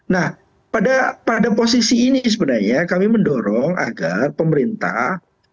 nah pada posisi ini sebenarnya kami mendorong agar pemerintah